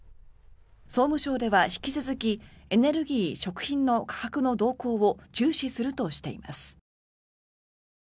総務省では引き続きエネルギー・食品の価格の動向を引き続き注視するとしています。